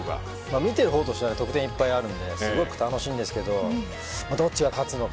見てるほうとしては得点がいっぱいあって楽しいんですけどどっちが勝つか。